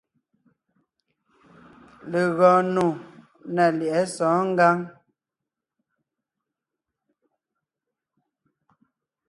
Legɔɔn nò ná lyɛ̌ʼɛ sɔ̌ɔn ngǎŋ.